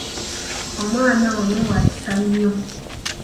Omwana ono wa kisa nnyo.